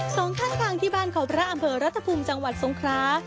สองข้างทางที่บ้านเขาพระอำเภอรัฐภูมิจังหวัดทรงครา